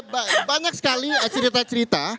banyak sekali cerita cerita